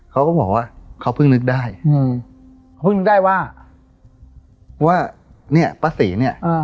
เขาก็บอกว่าเขาเพิ่งนึกได้อืมเพิ่งนึกได้ว่าว่าเนี่ยป้าศรีเนี่ย